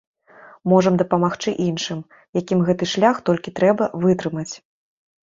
Можам дапамагчы іншым, якім гэты шлях толькі трэба вытрымаць.